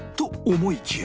思いきや？